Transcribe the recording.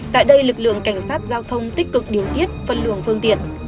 tại đây lực lượng cảnh sát giao thông tích cực điều tiết phân luồng phương tiện